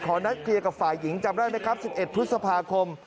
ขอนัดเตรียมกับฝ่ายหญิงจำได้ไหมที่๑๑พฤษภาคม